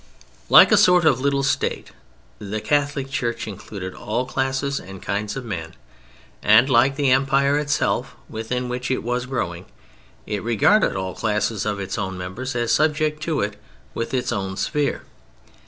Like a sort of little State the Catholic Church included all classes and kinds of men, and like the Empire itself, within which it was growing, it regarded all classes of its own members as subject to it within its own sphere.